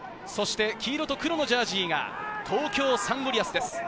黄色と黒のジャージーが東京サンゴリアスです。